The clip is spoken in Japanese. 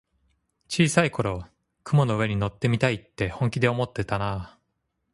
小さい頃、雲の上に乗ってみたいって本気で思ってたなあ。